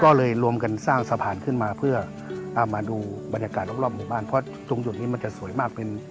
ก็เลยรวมกันสร้างสะพานขึ้นมาเพื่ออ่ามาดูบรรยากาศรอบหมู่บ้านเพราะตรงจุดนี้มันจะสวยมากเป็น